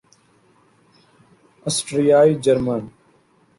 آسٹریائی German